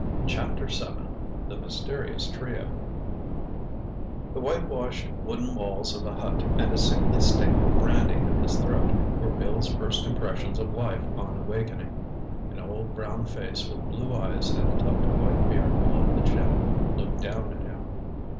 CHAPTER VII THE MYSTERIOUS TRIO The whitewashed wooden walls of a hut, and a sickly sting of brandy in his throat, were Bill's first impressions of life on awakening. An old brown face with blue eyes and a tuft of white beard below the chin looked down at him.